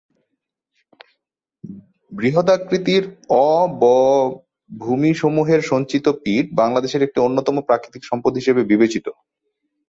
বৃহদাকৃতির অবভূমিসমূহে সঞ্চিত পিট বাংলাদেশের একটি অন্যতম প্রাকৃতিক সম্পদ হিসেবে বিবেচিত।